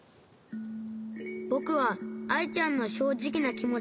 ぼくはアイちゃんのしょうじきなきもちきけてよかった。